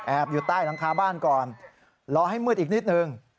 อยู่ใต้หลังคาบ้านก่อนรอให้มืดอีกนิดนึง